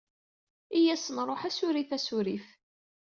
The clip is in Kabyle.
Iyya ad as-nṛuḥ asurif, asurif.